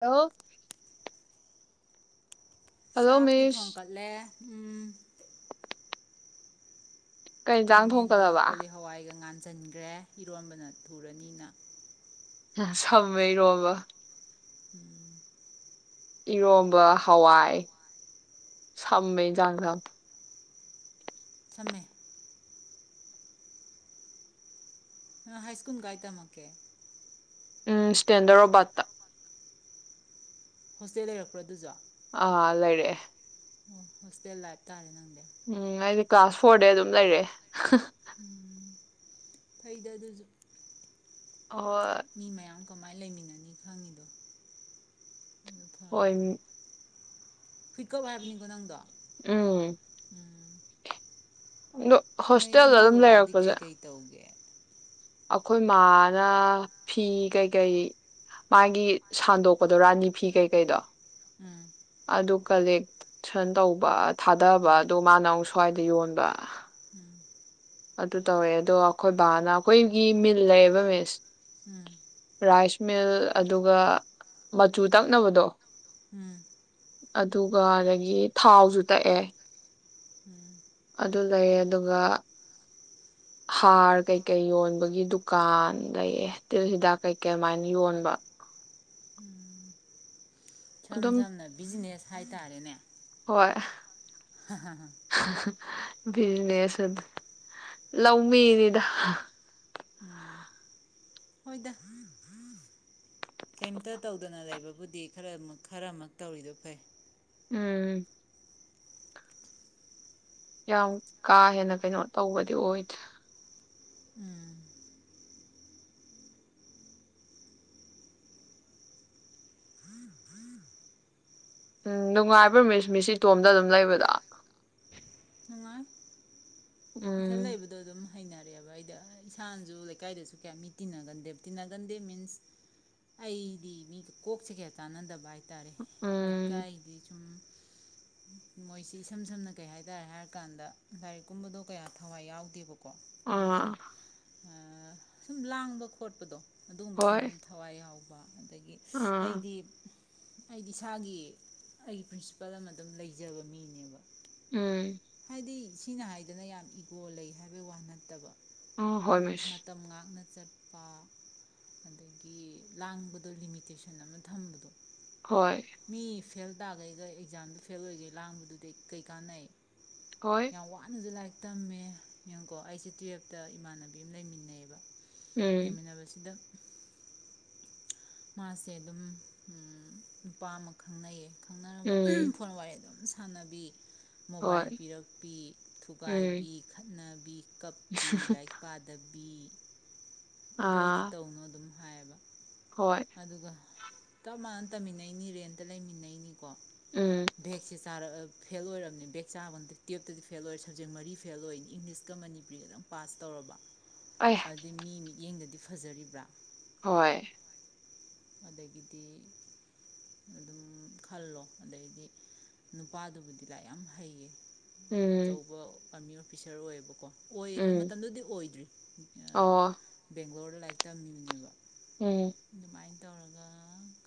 Hello ꯆꯥꯛꯇꯤ ꯊꯣꯡ ꯃꯤꯁ ꯀꯠꯂꯦ ꯎꯝ ꯀꯩ ꯏꯟꯖꯥꯡ ꯈꯥꯃꯦꯟꯒ ꯊꯣꯡꯒꯠꯂꯕ ꯀꯣꯂꯤ ꯍꯋꯥꯏꯒ ꯉꯥꯅꯨ ꯆꯟꯈ꯭ꯔꯦ ꯏꯔꯣꯟꯕꯅ ꯊꯨꯔꯅꯤꯅ ꯁꯝꯃꯦ ꯏꯔꯣꯝꯕ ꯎꯝ ꯏꯔꯣꯝꯕ ꯍꯋꯥꯏ ꯁꯝꯃꯦ ꯏꯟꯖꯥꯡ ꯁꯥꯡ ꯁꯦ ꯍꯥꯏ ꯁꯀꯨꯜ ꯀꯥꯏ ꯇꯝꯃꯛꯀꯦ ꯎꯝ ꯁꯇꯦꯟꯗ꯭ꯔ ꯔꫭꯕꯥꯠꯗ ꯇ ꯍꯣꯁꯇꯦꯜ ꯂꯩꯔꯛꯄ꯭ꯔꯣ ꯑꯗꯨꯖ ꯑꯥ ꯂꯩꯔꯦ ꯑꯣ ꯍꫭꯁꯇꯦꯜ ꯂꯥꯏꯐ ꯇꯥꯥꯔꯦ ꯅꯪ ꯎꯝ ꯑꯩꯗꯤ ꯀ꯭ꯂꯥꯁ ꯐꯣꯔꯗꯩ ꯑꯗꯨꯝ ꯂꯩꯔꯦ ꯎꯝ ꯐꯩꯗ ꯑꯗꯨꯁꯨ ꯑꯣꯢ ꯃꯤ ꯃꯌꯥꯝ ꯀꯃꯥꯏꯅ ꯂꯩꯃꯤꯟꯅꯅꯤ ꯈꯪꯉꯤꯗꯣ ꯑꯗꯨ ꯍꯣꯏ ꯐꯔꯕꯅꯤ ꯍꯨꯏꯀꯞ ꯍꯥꯏꯕꯅꯤꯀꯣ ꯅꯪꯗꯣ ꯎꯝ ꯎꯝ ꯑꯗꯣ ꯅꯣꯏ ꯍꯣꯁꯇꯦꯜꯗ ꯏꯃꯥ ꯑꯗꯨꯝ ꯕꯕꯥꯗꯤ ꯂꯩꯔꯛꯄꯁꯦ ꯀꯩꯀꯩ ꯇꯧꯒꯦ ꯑꯩꯈꯣꯏ ꯃꯥꯅ ꯐꯤ ꯀꯩꯀꯩ ꯃꯥꯒꯤ ꯁꯟꯗꯣꯛꯄꯗꯣ ꯔꯥꯅꯤ ꯐꯤ ꯀꯩꯀꯩꯗꯣ ꯎꯝ ꯑꯗꯨ ꯀꯂꯦꯛꯁꯟ ꯇꯧꯕ ꯊꯥꯗꯕ ꯎꯝ ꯑꯗꯣ ꯃꯥꯅ ꯑꯃꯨꯛꯁꯨ ꯈ꯭ꯋꯥꯏꯗ ꯌꯣꯟꯕ ꯎꯝ ꯑꯗꯨ ꯇꯧꯋꯦ ꯑꯗꯣ ꯑꯩꯈꯣꯏ ꯕꯥꯅ ꯑꯩꯈꯣꯏꯒꯤ ꯃꯤꯜ ꯂꯩꯌꯦꯕ ꯃꯤꯁ ꯎꯝ ꯔꯥꯏꯁ ꯃꯤꯜ ꯑꯗꯨꯒ ꯃꯆꯨ ꯇꯛꯅꯕꯗꯣ ꯎꯝ ꯑꯗꯨꯒ ꯑꯗꯒꯤ ꯊꯥꯎꯁꯨ ꯇꯛꯑꯦ ꯎꯝ ꯑꯗꯨ ꯂꯩꯌꯦꯦ ꯑꯗꯨꯒ ꯍꯥꯔ ꯀꯩꯀꯩ ꯌꯣꯟꯕꯒꯤ ꯗꯨꯀꯥꯟ ꯂꯩꯑꯦ ꯇꯤꯜ ꯍꯤꯗꯥꯛ ꯀꯩꯀꯩ ꯑꯗꯨꯃꯥꯏꯅ ꯌꯣꯟꯕ ꯁꯝ ꯑꯗꯨꯝ ꯁꯝꯅ ꯕꯤꯖꯤꯅꯦꯁ ꯍꯥꯏꯇꯥꯔꯦꯅꯦ ꯍꯣꯏ ꯍꯥꯌ ꯕꯤꯖꯤꯅꯦꯁ ꯑꯗꯨ ꯑꯗꯨ ꯂꯧꯥꯎꯃꯤꯅꯤꯗ ꯎꯝ ꯍꯣꯏꯗ ꯀꯩꯝꯇ ꯇꯧꯗꯅ ꯂꯩꯕꯕꯨꯗꯤ ꯈꯔ ꯈꯔꯃꯛ ꯇꯧꯔꯤꯗꯣ ꯐꯩ ꯎꯝ ꯌꯥꯝ ꯀꯥ ꯍꯦꯟꯅ ꯀꯩꯅꯣ ꯇꯧꯕꯗꯤ ꯑꯣꯏꯗ꯭ꯔꯦ ꯎꯝ ꯎꯝ ꯅꯨꯡꯉꯥꯏꯕ꯭ꯔꯥ ꯃꯤꯁ ꯃꯤꯁꯤ ꯏꯇꯣꯝꯗ ꯑꯗꯨꯝ ꯂꯩꯕꯗ ꯁꯤꯗꯥ ꯂꯩꯕꯗꯣ ꯑꯗꯨꯝ ꯍꯩꯅꯔꯛꯑꯦꯕ ꯑꯩꯗ ꯏꯁꯥꯅꯁꯨ ꯂꯩꯀꯥꯏꯗꯁꯨ ꯀꯌꯥ ꯃꯤ ꯇꯤꯟꯅꯒꯟꯗꯦꯕ ꯇꯤꯟꯅꯒꯟꯗꯦ ꯃꯤꯟꯁ ꯑꯩꯗꯤ ꯃꯤꯒ ꯀꯣꯛꯁꯦ ꯀꯌꯥ ꯆꯥꯟꯅꯗꯕ ꯍꯥꯏꯔꯦ ꯍꯥꯏꯇꯥꯔꯦ ꯎꯝ ꯂꯩꯀꯥꯏꯗꯤ ꯁꯨꯝ--꯫ ꯃꯣꯏꯁꯤ ꯏꯁꯝ ꯁꯝꯅ ꯀꯩ ꯍꯥꯏꯇꯥꯥꯔꯦ ꯍꯥꯏꯔꯀꯥꯟꯗ ꯂꯥꯏꯔꯤꯛ ꯀꯨꯝꯕꯗꯣ ꯀꯌꯥ ꯊꯋꯥꯏ ꯌꯥꯎꯗꯦꯕ ꯀꯣ ꯑꯗꯨꯒ ꯁꯨꯝ ꯑꯥ ꯁꯨꯝ ꯂꯥꯡꯕ ꯈꯣꯠꯄꯗꯣ ꯑꯗꯨꯒꯨꯝꯕ ꯁꯨꯝ ꯍꯣꯏ ꯊꯋꯥꯏ ꯌꯥꯎꯕ ꯑꯗꯒꯤ ꯑꯥ ꯑꯩꯗꯤ ꯑꯩꯗꯤ ꯏꯁꯥꯒꯤ ꯑꯩꯒꯤ ꯄ꯭ꯔꯤꯟꯁꯤꯄꯜ ꯑꯃ ꯑꯗꯨꯝ ꯂꯩꯖꯕ ꯃꯤꯅꯦꯕ ꯎꯝ ꯍꯥꯏꯗꯤ ꯃꯤꯅ ꯍꯥꯏ ꯗꯅ ꯌꯥꯝ ꯏꯒꯣ ꯂꯩ ꯍꯥꯏꯕꯩ ꯋꯥ ꯅꯠꯇꯕ ꯎꯝ ꯃꯇꯝ ꯉꯥꯛꯅ ꯆꯠꯄ ꯑꯗꯒꯤ ꯂꯥꯡꯕꯗꯣ ꯂꯤꯃꯤꯇꯦꯁꯟ ꯑꯃ ꯊꯝꯕꯗꯣ ꯍꯣꯏ ꯃꯤ ꯐꯦꯜ ꯇꯥꯒꯩꯒ ꯑꯦꯛꯖꯥꯝꯗ ꯐꯦꯜ ꯑꯣꯏꯒꯦ ꯂꯥꯡꯕꯗꯨꯗꯤ ꯀꯩ ꯀꯥꯟꯅꯩ ꯍꯣꯏ ꯗ ꯂꯥꯏꯔꯤꯛ ꯇꯝꯃꯦ ꯌꯦꯡꯉꯨꯀꯣ ꯑꯩꯁꯦ ꯇꯨꯌꯦꯜꯞꯇ ꯏꯃꯥꯟꯅꯕꯤ ꯑꯃ ꯂꯩꯃꯤꯟꯅꯩꯌꯦꯕ ꯍꯃꯤꯟꯅꯕꯁꯤꯗ ꯃꯥꯁꯦ ꯑꯗꯨꯝ ꯅꯨꯄꯥ ꯑꯃ ꯈꯪꯅꯩꯌꯦ ꯈꯪꯅꯔꯅꯕ ꯐꯣꯟ ꯋꯥꯔꯤ ꯑꯗꯨꯝ ꯁ ꯊꯥꯟꯅꯕꯤ ꯃꯣꯕꯥꯏꯜ ꯄꯤꯔꯛꯄꯤ ꯊꯨꯒꯥꯏꯕꯤ ꯈꯠꯅꯕꯤ ꯀꯞꯄꯤ ꯂꯥꯏꯔꯤꯛ ꯄꯥꯗꯕꯤ [inaudible] [inaudible] ꯑꯗꯨ ꯑꯩꯗꯤ ꯇꯧꯅꯣ ꯑꯗꯨꯝ ꯍꯥꯏꯌꯦꯕ ꯑꯗꯨꯒ ꯆꯞ ꯃꯥꯟꯅ ꯇꯝꯃꯤꯟꯅꯩꯅꯤ ꯔꯦꯟꯇ ꯂꯩꯃꯤꯟꯅꯩꯅꯤ ꯀꯣ ꯗꯚꯦꯛꯁꯤ ꯆꯥꯔ ꯐꯦꯜ ꯑꯣꯏꯔꯕꯅꯤ ꯕꯦꯛ ꯆꯥꯕꯗ ꯇꯨꯌꯦꯜꯞꯇꯗꯤ ꯐꯦꯜ ꯑꯣꯏꯔꯦ ꯁꯕꯖꯦꯛ ꯃꯔꯤ ꯐꯦꯜ ꯑꯣꯏꯅꯤ ꯏꯪꯂꯤꯁꯀ ꯃꯅꯤꯄꯨꯔꯤꯒ ꯑꯗꯨꯝ ꯄꯥꯁ ꯇꯧꯔꯕ ꯑꯗꯤ ꯃꯤꯅꯤ ꯌꯦꯡꯗꯗꯤ ꯐꯖꯔꯤꯕ꯭ꯔꯥ ꯍꯣꯏ ꯑꯗꯒꯤꯗꯤ ꯑꯗꯨꯝ ꯈꯜꯂꯣ ꯑꯗꯩꯗꯤ ꯅꯨꯄꯥꯗꯨꯕꯨꯗꯤ ꯂꯥꯏ ꯌꯥꯝ ꯍꯩꯌꯦ ꯑꯆꯧꯕ ꯑꯥꯔꯃꯤ ꯑꯣꯐꯤꯁꯥꯔ ꯑꯣꯏꯌꯦꯕꯀꯣ ꯑꯣꯏ ꯍꯥꯏ ꯃꯇꯝꯗꯨꯗꯤ ꯑꯣꯏꯗ꯭ꯔꯤ ꯕꯦꯡꯒ꯭ꯂꯣꯔ ꯂꯥꯏꯔꯤꯛ ꯇꯝꯃꯤꯕꯅꯦꯕ ꯑꯗꯨꯃꯥꯏꯅ ꯇꯧꯔꯒ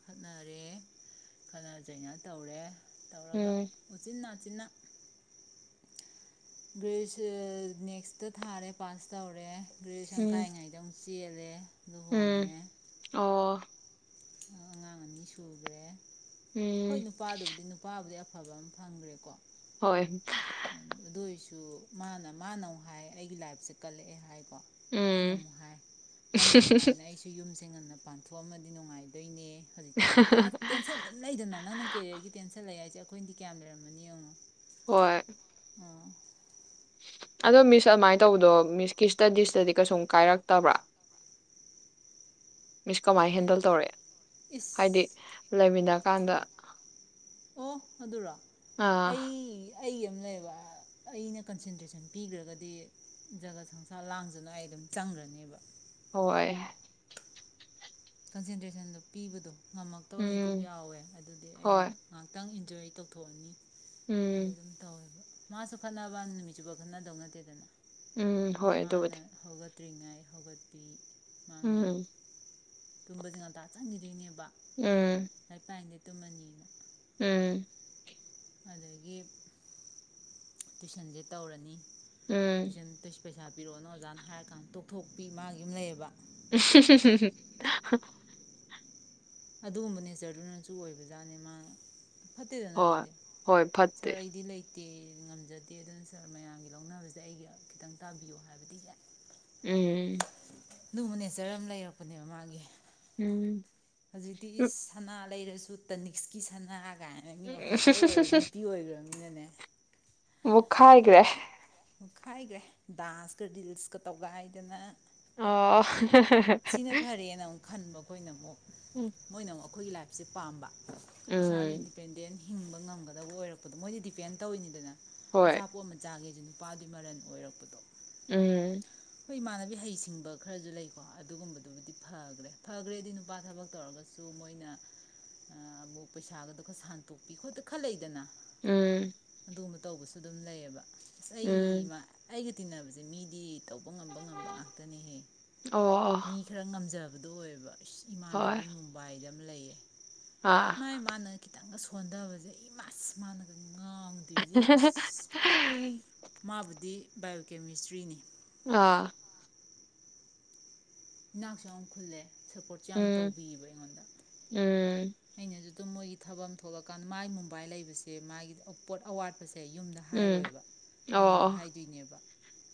ꯈꯠꯅꯔꯦ ꯈꯠꯅ ꯆꯩꯅ ꯇꯧꯔꯦ ꯇꯧꯔꯒ ꯎꯆꯤꯟ ꯅꯆꯤꯟꯅꯥ ꯇꯤꯅꯛ [unintelligible] ꯅꯦꯛꯁꯇ ꯊꯥꯔꯦ ꯄꯥꯁ ꯇꯧꯔꯦ ꯒꯦꯖꯨꯌꯦꯁꯟ ꯀꯥꯏꯔꯤꯉꯩꯗ ꯆꯦꯜ ꯑꯦ ꯎꯝ ꯑꯣ ꯑꯉꯥꯡ ꯑꯅꯤ ꯁꯨꯈ꯭ꯔꯦ ꯍꯣꯏ ꯅꯨꯄꯥꯗꯨꯕꯨꯗꯤ ꯅꯨꯄꯥꯕꯨꯗꯤ ꯑꯐꯕ ꯑꯃ ꯐꯪꯈ꯭ꯔꯦꯀꯣ ꯍꯣꯏ ꯑꯗꯨ ꯑꯣꯏꯔꯁꯨ ꯃꯥꯅ ꯃꯥꯅ ꯍꯥꯏ ꯑꯩꯒꯤ ꯂꯥꯏꯐꯁꯦ ꯀꯜꯂꯛꯑꯦ ꯍꯥꯏ ꯑꯩꯅ ꯑꯃꯨꯛ ꯍꯥꯏ ꯅꯪꯒꯤ ꯑꯗꯨꯃꯥꯏꯅ ꯑꯩꯁꯨ ꯌꯨꯝꯁꯦ ꯊꯦꯡ ꯉꯟꯅ ꯄꯥꯟꯊꯣꯛꯑ ꯑꯃꯗꯤ ꯅꯨꯡꯉꯥꯏ ꯗꯣꯢꯅꯦ ꯍꯧꯖꯤꯛꯇꯤ ꯃꯊꯥ ꯇꯦꯟꯁꯟ ꯑꯗꯨꯝ ꯂꯩꯗꯅ ꯅꯪꯅ ꯀꯦꯔꯤꯌꯔꯒꯤ ꯇꯦꯟꯁꯟ ꯂꯩ ꯍꯥꯏ ꯑꯩꯈꯣꯏꯅꯗꯤ ꯀꯌꯥꯝ ꯂꯩꯔꯝꯕꯃꯅꯤ ꯌꯦꯡꯉꯣꯅ ꯍꯣꯏ ꯑꯗꯣ ꯃꯤꯁ ꯑꯗꯨꯃꯥꯏꯅ ꯇꯧꯕꯗꯣ ꯃꯤꯁꯀꯤ ꯏꯁꯇꯗꯤꯁꯇꯗꯤ ꯀꯩꯁꯨꯝ ꯀꯥꯏꯔꯛꯇꯕ꯭ꯔꯥ ꯃꯤꯁ ꯀꯃꯥꯏꯅ ꯇꯦꯟ ꯍꯦꯟꯗꯜ ꯇꯧꯔꯛꯑꯦ ꯏꯁ ꯍꯥꯏꯗꯤ ꯂꯩꯃꯤꯅꯥ ꯀꯥꯟꯗ ꯑꯣ ꯑꯗꯨꯔꯣ ꯑꯥ ꯑꯩ ꯑꯩꯒꯤ ꯑꯃ ꯂꯩꯌꯦꯕ ꯑꯩꯅ ꯀꯟꯁꯦꯟꯇ꯭ꯔꯦꯁꯟ ꯄꯤꯈ꯭ꯔꯒꯗꯤ ꯖꯒꯥꯠ ꯁꯪꯁꯥꯔ ꯂꯥꯡꯖꯅꯨ ꯑꯩ ꯑꯗꯨꯝ ꯆꯪꯈ꯭ꯔꯅꯦꯕ ꯍꯣꯏ ꯀꯟꯁꯦꯟꯇ꯭ꯔꯦꯁꯟꯗꯣ ꯄꯤꯕꯗꯣ ꯉꯝꯃꯛꯇꯕ ꯃꯤꯀꯨꯞ ꯎꯝ ꯌꯥꯎꯋꯦ ꯑꯗꯨꯗꯤ ꯑꯩꯅ ꯍꯣꯏ ꯉꯥꯏꯍꯥꯛꯇꯪ ꯑꯦꯟꯖꯣꯏ ꯇꯧꯊꯣꯛꯑꯅꯤ ꯎꯝ ꯑꯗꯥ ꯑꯗꯨꯝ ꯇꯧꯋꯦꯕ ꯃꯥꯁꯨ ꯈꯠꯅꯕ ꯅꯨꯃꯤꯠꯆꯨꯞꯄ ꯈꯠꯅꯗꯧ ꯅꯠꯇꯦꯗꯅ ꯎꯝ ꯍꯣꯏ ꯃꯥꯅ ꯑꯗꯨꯕꯨꯗꯤ ꯇ꯭ꯔꯤꯉꯥꯏ ꯍꯧꯒꯠꯄꯤ ꯃꯥꯅ ꯎꯝ ꯇꯨꯝꯝꯕꯖꯦ ꯉꯟꯇꯥꯆꯪꯗꯣꯏꯅꯦ ꯎꯝ ꯂꯥꯏꯔꯤꯛ ꯄꯥꯏ ꯇꯨꯃꯅꯤꯅ꯫ ꯎꯝ꯫ ꯑꯗꯒꯤ꯫ ꯇꯨꯏꯁꯟꯁꯦ ꯇꯧꯔꯅꯤ꯫ ꯎꯝ ꯇꯨꯏꯁꯟ ꯄꯩꯁꯥ ꯄꯤꯔꯛꯑꯣꯅ ꯑꯣꯖꯥꯅ ꯍꯥꯏꯔꯀꯥꯟꯗ ꯇꯣꯛꯊꯣꯛꯄꯤ ꯃꯥꯒꯤ ꯑꯃ ꯂꯩꯌꯦꯕ꯫ [unintelligible] ꯑꯗꯨꯒꯨꯝꯕ ꯅꯦꯆꯔꯗꯨꯅꯁꯨ ꯑꯣꯏꯕꯖꯥꯠꯅꯤ ꯃꯥꯅ- ꯐꯠꯇꯦꯗꯅ ꯍꯣꯏ ꯑꯗꯨꯗꯤ ꯍꯣꯏ ꯁꯥꯔ ꯐꯠꯇꯦ ꯑꯩꯗꯤ ꯂꯩ ꯇꯦ [unintelligible] ꯉꯝꯖꯗꯦ ꯑꯗꯨꯅ ꯁꯥꯔ ꯃꯌꯥꯝꯒꯤ ꯂꯧꯅꯕꯁꯦ ꯑꯩꯒꯤ ꯈꯤꯇꯪ ꯇꯥꯕꯤꯌꯣ ꯍꯥꯏꯕꯗꯤ ꯌꯥꯏ꯫ ꯎꯝ ꯑꯗꯨꯝꯕ ꯅꯦꯆꯔ ꯑꯃ ꯂꯩꯔꯛꯄ ꯑꯗꯨꯅꯦꯕ ꯃꯥꯒꯤ꯫ ꯎꯝ ꯍꯧꯖꯤꯛꯇꯤ ꯏꯁ ꯁꯅꯥ ꯂꯩꯔꯁꯨ ꯇꯅꯤꯛꯁꯀꯤ ꯁꯅꯥ ꯀꯥꯏꯅ ꯃꯤ ꯑꯣꯐꯤꯁꯥꯔ ꯑꯣꯏꯔ ꯅꯨꯄꯤ ꯑꯣꯏꯒ꯭ꯔ ꯗꯨꯅꯅꯦ ꯑꯣ ꯈꯥꯏꯒ꯭ꯔꯦ ꯈꯥꯏꯒ꯭ꯔꯦ ꯗꯥꯟꯁꯀ ꯔꯤꯜꯁꯀ ꯇꯧꯒꯥꯏꯗꯅ꯫ ꯑꯣ꯫ ꯁꯤꯅ ꯍ-ꯍ-ꯍ꯫ ꯐꯔꯦꯅ ꯑꯃꯨꯛ ꯈꯟꯕ ꯑꯩꯈꯣꯏꯅ ꯑꯃꯨꯛ꯫ ꯃꯣꯏꯅ ꯑꯃꯨꯛ ꯈꯣꯏꯒꯤ ꯂꯥꯏꯐꯁꯦ ꯄꯥꯝꯕ꯫ ꯏꯁꯥꯒꯤ ꯎꯝ ꯏꯟꯗꯤꯄꯦꯟꯗꯦꯟ ꯍꯤꯡꯕ ꯉꯝꯒꯗꯕ ꯑꯣꯏꯔꯛꯄꯗꯣ ꯃꯣꯏꯗꯤ ꯗꯤꯄꯦꯟ ꯇꯧꯋꯤꯅꯤꯗꯅ꯫ ꯍꯣꯏ ꯑꯆꯥꯄꯣ ꯑꯃ ꯃꯆꯥꯥꯒꯦ ꯅꯨꯄꯥꯗꯨꯒꯤ ꯃꯔꯟ ꯑꯣꯏꯔꯛꯄꯗꯣ꯫ ꯎꯝ꯫ ꯈꯣꯏ ꯏꯃꯥꯟꯅꯕꯤ ꯍꯩꯁꯤꯡꯕ ꯈꯔꯁꯨ ꯂꯩ꯫ ꯑꯗꯨꯒꯨꯝꯕꯗꯨꯕꯨꯗꯤ ꯐꯒ꯭ꯔꯦ ꯐꯒ꯭ꯔꯦꯗꯤ ꯅꯨꯄꯥ ꯊꯕꯛ ꯇꯧꯔꯒꯁꯨ ꯃꯣꯏꯅ ꯑꯃꯨꯛ ꯄꯩꯁꯥꯒꯗꯣ ꯈꯔ ꯁꯥꯟꯇꯣꯛꯄꯤ ꯈꯣꯠꯇ ꯈꯔ ꯂꯩꯗꯅ꯫ ꯎꯝ꯫ ꯑꯗꯨꯒꯨꯝꯕ ꯇꯧꯕꯁꯨ ꯑꯗꯨꯝ ꯂꯩꯌꯦꯕ꯫ ꯑꯩ ꯎꯝ ꯃꯥ ꯑꯩꯒꯤ ꯇꯤꯅꯕꯁꯦ ꯃꯤꯗꯤ ꯇꯧꯕ ꯉꯝꯕ ꯉꯝꯕ ꯉꯥꯛꯇꯅꯤꯍꯦ꯫ ꯑꯣ ꯑꯣ ꯉꯝꯖꯕꯗꯨ ꯑꯣꯏꯌꯦꯕ ꯏꯃꯥꯟꯅꯕꯤ ꯍꯣꯏ ꯃꯨꯝꯕꯥꯏꯗ ꯑꯗꯨꯝ ꯂꯩꯌꯦ ꯑꯥ ꯃꯥꯏ ꯃꯥꯅ ꯀꯈꯤꯇꯪꯒ ꯁꯣꯟꯊꯕꯁꯦ ꯑꯩ ꯃꯁ ꯃꯥꯟꯅꯒꯅꯤ ꯉꯥꯎꯗꯣꯏꯖꯤ ꯃꯥꯕꯨꯗꯤ ꯕꯥꯏꯑꯣ ꯀꯦꯃꯤꯁꯇ꯭ꯔꯤꯅꯤ ꯑꯥ ꯏꯅꯥꯛꯁꯨ ꯌꯥꯝ ꯈꯨꯜꯂꯦ ꯁꯞꯄꯣꯔꯠꯁꯨ ꯌꯥꯝ ꯎꯝ ꯇꯧꯕꯤꯕ ꯑꯩꯉꯣꯟꯗ ꯎꯝ ꯑꯩꯅꯁꯨ ꯑꯗꯨꯝ ꯃꯣꯏꯒꯤ ꯊꯕꯛ ꯊꯣꯛꯂꯀꯥꯟꯗ ꯃꯥꯒꯤ ꯃꯨꯝꯕꯥꯏ ꯂꯩꯕꯁꯦ ꯃꯥꯒꯤ ꯄꯣꯠ ꯑꯋꯥꯠꯄꯁꯦ ꯑꯦ ꯌꯨꯝꯗ ꯎꯝ ꯍꯥꯏꯔꯣꯏꯕ ꯑꯩꯉꯣꯟꯗ ꯑꯣ ꯍꯥꯏꯗꯣꯏꯅꯦꯕ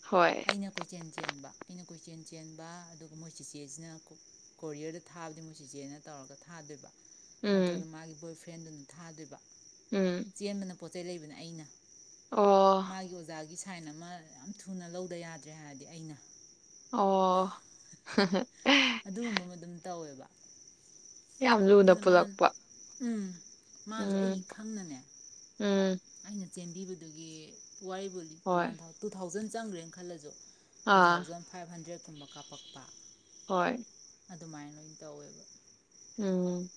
ꯍꯣꯏ ꯑꯩꯅ ꯀꯣꯏꯆꯦꯜ ꯆꯦꯟꯕ ꯑꯩꯅ ꯀꯣꯏꯆꯦꯟ ꯆꯦꯟꯕ ꯑꯗꯨ ꯃꯣꯏ ꯆꯦꯆꯦꯁꯤꯅ ꯀꯣꯔꯤꯌꯔꯗ ꯊꯥꯕꯗꯤ ꯃꯣꯏ ꯆꯦꯆꯦꯅ ꯇꯧꯔꯒ ꯊꯥꯗꯣꯏꯕ ꯅꯠꯇ꯭ꯔꯒꯅ ꯎꯝ ꯃꯥꯒꯤ ꯕꯣꯏ ꯐ꯭ꯔꯦꯟꯗꯨꯅ ꯊꯥꯗꯣꯏꯕ ꯎꯝ ꯆꯦꯟꯕꯅ ꯄꯣꯠ ꯆꯩ ꯂꯩꯕꯅ ꯑꯩꯅ ꯑꯣ ꯃꯥꯒꯤ ꯑꯣꯖꯥꯒꯤ ꯁꯥꯏꯟ ꯑꯃ ꯌꯥꯝ ꯊꯨꯅ ꯂꯧꯗ ꯌꯥꯗ꯭ꯔꯦ ꯍꯥꯏꯔꯗꯤ ꯑꯩꯅ ꯑꯣ ꯑꯗꯨꯒꯨꯝꯕ ꯑꯃ ꯑꯗꯨꯝ ꯇꯧꯋꯦꯕ ꯌꯥꯝ ꯂꯨꯅ ꯄꯨꯜꯂꯛꯄ ꯃꯥꯅꯁꯨ ꯑꯩꯒꯤ ꯎꯝ ꯈꯪꯅꯅꯦ ꯎꯝ ꯑꯩꯅ ꯆꯦꯟꯕꯤꯕꯗꯨꯒꯤ ꯋꯥꯔꯤꯕꯣ ꯋꯥꯟ ꯍꯣꯏ ꯊꯥꯎ ꯇꯨ ꯊꯥꯎꯖꯟ ꯆꯪꯈ꯭ꯔꯦꯅ ꯈꯜꯂꯁꯨ ꯇꯨ ꯑꯥ ꯊꯥꯎꯖꯟ ꯐꯥꯏꯚ ꯍꯟꯗ꯭ꯔꯦꯠꯀꯨꯝꯕ ꯀꯥꯞꯄꯛꯄ ꯍꯣꯏ ꯑꯗꯨꯃꯥꯏꯅ ꯂꯣꯏ ꯇꯧꯋꯦꯕ ꯎꯝ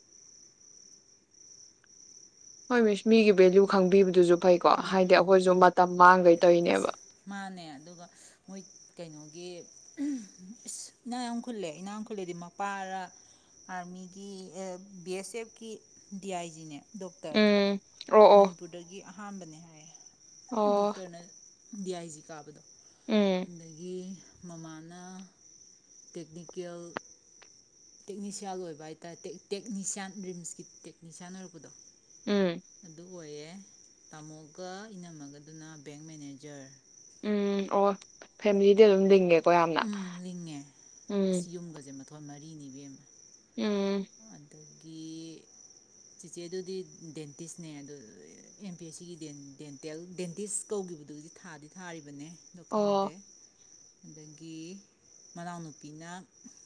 ꯍꯣꯏ ꯃꯤꯒꯤ ꯚꯦꯜꯂꯨ ꯈꯪꯕꯤꯕꯗꯨꯁꯨ ꯐꯩꯀꯣ ꯍꯥꯏꯗꯤ ꯎꯝ ꯑꯩꯈꯣꯏꯁꯨ ꯎꯝ ꯃꯇꯝ ꯃꯥꯡꯈꯩ ꯑꯁ ꯇꯧꯔꯤꯅꯦꯕ ꯃꯥꯅꯦ ꯑꯗꯨꯒ ꯃꯣꯏ ꯀꯩꯅꯣꯒꯤ ꯏꯁ ꯏꯅꯥ ꯌꯥꯝ ꯈꯨꯜꯂꯦ ꯏꯅꯥ ꯌꯥꯝ ꯈꯨꯜꯂꯦꯗꯤ ꯃꯄꯥꯔꯥ ꯑꯥꯔꯃꯤꯒꯤ B S ꯑꯦꯐꯀꯤ D I ꯖꯤꯅꯦ doctor ꯎꯝ ꯑꯣ ꯑꯣ ꯃꯅꯤꯄꯨꯔꯗꯒꯤ ꯑꯍꯥꯟꯕꯅꯦ ꯍꯥꯏꯌꯦ ꯑꯣ ꯗꯨꯀꯅ ꯗꯤꯌꯥꯏꯁꯤ ꯀꯥꯕꯗꯣ ꯎꯝ ꯑꯗꯒꯤ ꯃꯃꯥꯅ ꯇꯦꯛꯅꯤꯀꯦꯜ ꯇꯦꯛꯅꯤꯁꯤꯌꯥꯟ ꯑꯣꯏꯕ ꯍꯥꯏꯇꯥꯔꯦ ꯇꯦꯛꯅꯤꯁꯤꯌꯥꯟ ꯔꯤꯝꯁꯀꯤ ꯇꯦꯛꯅꯤꯁꯤꯌꯥꯟ ꯑꯣꯏꯔꯛꯄꯗꯣ ꯎꯝ ꯑꯗꯨꯗꯣ ꯑꯣꯏꯌꯦ ꯇꯥꯃꯣꯒ ꯏꯅꯝꯃꯒꯗꯨꯅ ꯕꯦꯡ ꯃꯦꯅꯦꯖꯔ ꯎꯝ ꯑꯣ ꯐꯦꯃꯤꯂꯤꯗꯤ ꯑꯗꯨꯝ ꯂꯤꯡꯉꯦ ꯎꯝ ꯂꯤꯡꯉꯦ ꯑꯁ ꯌꯨꯝꯒꯁꯦ ꯃꯊꯣꯏ ꯃꯔꯤ ꯑꯩꯅꯤꯕꯦꯝ ꯎꯝ ꯑꯗꯒꯤ ꯆꯦꯆꯦ ꯑꯗꯨꯗꯤ ꯗꯦꯟꯇꯤꯁꯅꯦ ꯑꯗꯨꯗ ꯑꯦꯝ ꯄꯤ ꯑꯦꯁ ꯁꯤꯒꯤ ꯗꯦꯟꯇꯦꯜ ꯗꯦꯟꯇꯤꯁ ꯀꯧꯈꯤꯕꯗꯨꯗꯤ ꯊꯥꯗꯤ ꯊꯥꯔꯤꯕꯅꯦ ꯗ ꯈꯪꯗꯦ ꯑꯣ ꫰ ꯒꯤ ꯃꯅꯥꯎꯅꯨꯄꯤꯅ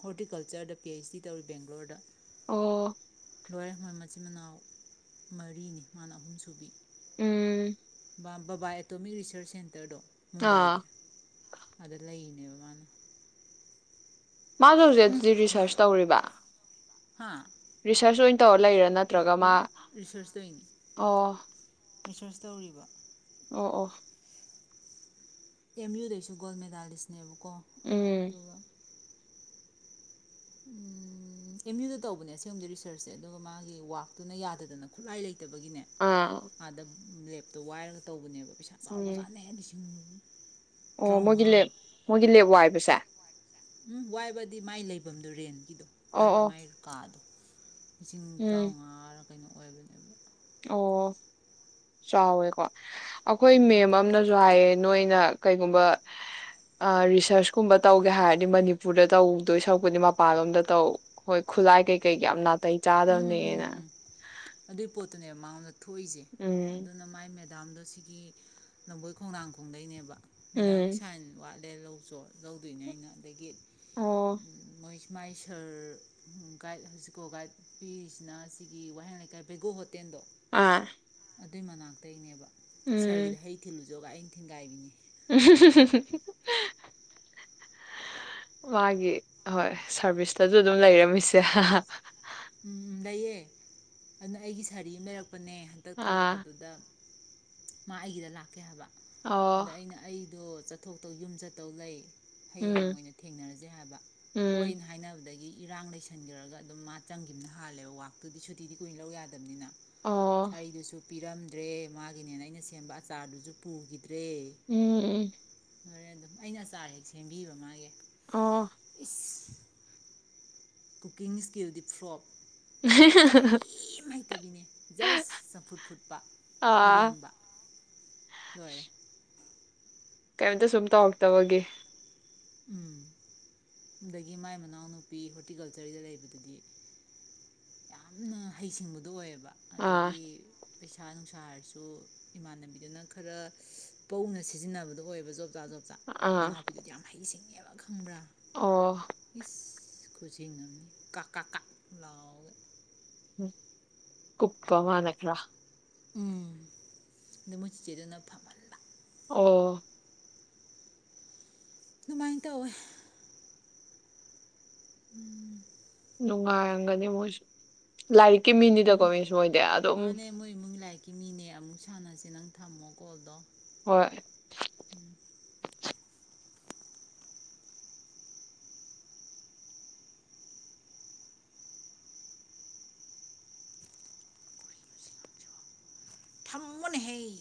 ꯍꯣꯔꯇꯤꯀꯜꯆꯔꯗ ꯄꯤ ꯑꯩꯩꯆ ꯗꯤ ꯇꯧꯔꯤ ꯕꯦꯡꯒ꯭ꯂꯣꯔꯗ ꯑꯣ ꯂꯔ ꯍꯣꯏ ꯃꯆꯤꯟ ꯃꯅꯥꯎ ꯃꯔꯤꯅꯤ ꯃꯥꯅ ꯑꯍꯨꯝ ꯁꯨꯕꯤ ꯎꯝ ꯕꯕꯥ ꯑꯦꯇꯣꯃꯤꯛ ꯔꯤꯁꯔꯁ ꯁꯦꯟꯇꯔꯗꯣ ꯃꯨꯝꯕꯥꯏꯒ ꯑꯥ ꯑꯗꯨꯗ ꯂꯩꯅꯤ ꯃꯅ ꯃꯥꯁꯨ ꯍꯧꯖꯤꯛ ꯑꯗꯨꯗꯤ ꯔꯤꯁꯥꯔꯁ ꯇꯧꯔꯤꯕ ꯍꯥꯥ ꯔꯤꯁꯥꯔꯁ ꯑꯣꯏꯅ ꯇꯧꯔ ꯂꯩꯔ ꯅꯠꯇ ꯄꯨ꯭ꯔꯒꯃ ꯔꯤꯁꯔꯁ ꯇꯧꯔꯤꯅꯤ ꯑꯣ ꯔꯤꯁꯔꯁ ꯇꯧꯔꯤꯕ ꯑꯣ ꯑꯣ ꯑꯦꯝ ꯌꯨꯗꯦꯁꯁꯨ ꯒꯜ ꯃꯦꯗꯥꯥꯂꯤꯁꯅꯦꯕꯕꯨ ꯀꯣ ꯎꯝ ꯑꯗꯨꯒ ꯑꯦꯝ ꯌꯨꯗ ꯇꯧꯕꯅꯦ ꯁꯒꯣꯝꯗꯤ ꯔꯤꯁꯔꯁꯁꯦ ꯑꯗꯨꯒ ꯃꯥꯒꯤ ꯋꯥꯛꯇꯨꯅ ꯌꯥꯗꯗꯅ ꯈꯨꯠꯂꯥꯏ ꯂꯩꯇꯦ ꯠꯇꯕꯒꯤꯅꯦ ꯑꯥ ꯑꯗ ꯂꯦꯞꯇꯣ ꯋꯥꯏꯔꯒ ꯇꯧꯕꯅꯦꯕ ꯄꯩꯁꯥ ꯎꯝ ꯆꯥꯎꯕꯖꯅ ꯍꯥꯏꯗꯤ ꯍ ꯑꯣ ꯃꯣꯏꯒꯤ ꯂꯦꯞ ꯃꯣꯏꯒꯤ ꯂꯦꯞ ꯋꯥ ꯍꯥꯏꯕꯁꯦ--꫰ ꯎꯝ ꯋꯥꯏꯕꯗꯤ ꯃꯥꯏ ꯂꯩꯐꯝꯗꯨꯔꯦꯟ ꯗꯣ ꯑꯣ ꯑꯣ ꯃꯥꯏ ꯀꯥꯗꯣ ꯂꯤꯁꯤꯡ ꯎꯝ ꯇꯔꯥꯎꯉꯥ ꯑꯣ ꯆꯥꯎꯋꯦꯀꯣ ꯑꯩꯈꯣꯏ ꯃꯦꯝ ꯑꯅꯁꯨ ꯍꯥꯏꯌꯦ ꯅꯣꯏꯅ ꯀꯩꯒꯨꯝꯕ ꯔꯤꯁꯔꯁ ꯀꯨꯝꯕ ꯇꯧꯒꯦ ꯍꯥꯏꯔꯗꯤ ꯃꯅꯤꯄꯨꯔꯗ ꯇꯧꯗꯣꯏ ꯁꯔꯨꯛꯄꯨꯗꯤ ꯃꯄꯥꯟꯂꯣꯝꯗ ꯇꯧ ꯍꯣꯏ ꯈꯨꯠꯂꯥꯏ ꯀꯩ ꯀꯩ ꯀ ꯌꯥꯝ ꯅꯥ ꯇꯩ ꯆꯥꯗꯝꯅꯦꯅ ꯄꯣꯠꯇꯨꯅꯦ ꯃꯉꯣꯟꯗꯥ ꯊꯣꯛꯏꯁꯦ ꯑꯗꯨꯅ ꯃꯥꯏ ꯃꯦ ꯗꯥꯝꯗꯣ ꯁꯤꯒꯤ ꯂꯝꯕꯣꯏ ꯈꯣꯡꯅꯥꯡꯈꯣꯡꯗꯩꯅꯦꯕ ꯃꯦꯗꯥꯝꯒꯤ ꯎꯝ ꯁꯥꯏꯟ ꯋꯥ ꯂꯧ ꯆꯣ ꯂꯧꯗꯣꯏꯅꯦ ꯑꯩꯅ ꯑꯗꯒꯤ ꯑꯣ [unintelligible] [inaudible] ꯃꯥꯏ ꯁꯔ [unintelligible] [unintelligible] ꯒꯥꯏꯠ ꯅꯨꯄꯤꯁꯤꯅ ꯁꯤꯒꯤ ꯋꯥꯍꯦꯡ ꯂꯩꯀꯥꯏ ꯕꯩꯒꯣ ꯍꯣꯇꯦꯟꯗꯣ ꯑꯥ ꯑꯗꯨꯏ ꯃꯅꯥꯛꯇꯩꯅꯦꯕ ꯎꯝ ꯁꯥꯔꯒꯤꯗ ꯍꯩ ꯊꯤꯂꯨꯁꯤ [unintelligible] ꯑꯪ ꯊꯤꯟꯒꯥꯏꯕꯤꯅꯤ ꯃꯥꯒꯤ ꯍꯣꯏ ꯁꯥꯔꯚꯤꯁꯇꯁꯨ ꯑꯗꯨꯝ ꯂꯩꯔꯝꯃꯤꯁꯦ ꯎꯝ ꯂꯩꯌꯦ ꯑꯗꯨꯅ ꯑꯩꯒꯤ ꯁꯥꯔꯤ ꯑꯃ ꯂꯩꯔꯛꯄ ꯄꯅꯦ ꯍꯟꯇꯛ ꯑꯥ ꯊꯣꯛꯂꯛꯄꯗꯨꯗ ꯃꯥ ꯑꯩꯒꯤꯗ ꯂꯥꯛꯀꯦ ꯍꯥꯏꯕ ꯑꯗ ꯑꯣ ꯑꯩꯅ ꯑꯩꯗꯣ ꯆꯠꯊꯣꯛꯇꯧ ꯌꯨꯝꯆꯠꯇꯧ ꯂꯩ ꯍꯌꯦꯡ ꯎꯝ ꯑꯣꯏꯅ ꯊꯦꯡꯅꯔꯁꯦ ꯍꯥꯏꯕ ꯎꯝ ꯍꯣꯏꯅ ꯍꯥꯏꯅꯕꯗꯒꯤ ꯏꯔꯥꯡ ꯂꯩꯁꯟꯈ꯭ꯔꯒ ꯑꯗꯨꯝ ꯃꯥ ꯆꯪꯈꯤꯕꯅ ꯍꯥꯜꯂꯦꯕ ꯋꯥꯛꯇꯨꯗꯤ ꯁꯨꯇꯤꯗꯤ ꯀꯨꯏꯅ ꯂꯧ ꯌꯥꯗꯕꯅꯤꯅ ꯑꯣ ꯁꯥꯔꯤꯗꯨꯁꯨ ꯄꯤꯔꯝꯗ꯭ꯔꯦ ꯃꯥꯒꯤꯅꯦꯅ ꯑꯩꯅ ꯁꯦꯝꯕ ꯑꯆꯥꯔꯗꯨꯁꯨ ꯄꯨꯈꯤ ꯎꯝ ꯎꯝ [unintelligible] [unintelligible] ꯑꯗꯨꯝ ꯑꯩꯅ ꯑꯆꯥꯔ ꯍꯦꯛ ꯁꯦꯝꯕꯤꯕ ꯃꯥꯒꯤ ꯑꯣ ꯏꯁ ꯀꯨꯀꯤꯡ ꯁ꯭ꯀꯤꯜꯗꯤ ꯐ꯭ꯔꯣꯞ ꯀꯔꯤꯝ ꯍꯩꯇꯕꯤꯅꯦ ꯖꯁ ꯆꯝꯐꯨꯠ ꯐꯨꯠꯄ ꯑꯥ ꯏꯔꯣꯟꯕ ꯂꯣꯏꯔꯦ ꯀꯩꯝꯇ ꯁꯨꯝ ꯇꯧꯔꯛꯇꯕꯒꯤ ꯎꯝ ꯑꯗꯒꯤ ꯃꯥꯏ ꯃꯅꯥꯎꯅꯨꯄꯤ ꯍꯣꯔꯇꯤꯀꯜꯆꯔꯒꯤꯗ ꯂꯩꯕꯗꯗꯤ ꯌꯥꯝꯅ ꯍꯩꯁꯤꯡꯕꯗꯣ ꯑꯣꯏꯌꯦꯕ ꯑꯥ ꯑꯗꯒꯤ ꯄꯩꯁꯥ ꯄꯩꯥ ꯅꯨꯡꯁꯥ ꯍꯥꯏꯔꯁꯨ ꯏꯃꯥꯟꯅꯕꯤꯗꯨꯅ ꯈꯔ ꯄꯧꯅ ꯁꯤꯖꯤꯟꯅꯕꯗꯣ ꯑꯣꯏꯕ ꯣ [unintelligible] ꯑꯥ ꯃꯅꯥꯎꯄꯤꯗꯨꯗꯤ ꯌꯥꯝ ꯍꯩꯁꯤꯡ [unintelligible] ꯈꯪꯕ꯭ꯔꯥ ꯑꯣ ꯏꯁ ꯈꯨꯆꯤꯡ ꯑꯃꯅꯤ ꯀ ꯀꯥ ꯀꯥ ꯂꯥꯎ ꯀꯨꯄꯥ ꯃꯥꯅꯈ꯭ꯔꯥ ꯎꯝ ꯃꯣꯏ ꯆꯦꯗꯨꯅ ꯐꯃꯂꯕ ꯑꯣ ꯑꯗꯨꯃꯥꯏꯅ ꯇꯧꯋꯦ ꯎꯝ ꯅꯨꯡꯉꯥꯏꯔꯝꯒꯅꯤ ꯃꯣꯏꯁꯨ ꯂꯥꯏꯔꯤꯛ ꯀꯤꯃꯤꯅꯤꯗꯀꯣ ꯃꯤꯁꯨ ꯃꯣꯏꯗꯤ ꯑꯗꯨꯝ ꯇꯨꯝꯅꯤꯉꯦ ꯑꯃꯨꯛ ꯁꯥꯟꯅꯁꯤ ꯅꯪ ꯊꯝꯃꯣ ꯀꯣꯜꯗꯣ ꯍꯣꯏ ꯊꯃꯣꯅꯍꯩ